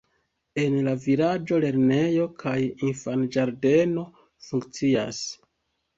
En la vilaĝo lernejo kaj infanĝardeno funkcias.